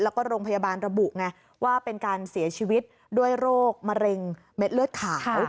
แล้วก็โรงพยาบาลระบุไงว่าเป็นการเสียชีวิตด้วยโรคมะเร็งเม็ดเลือดขาว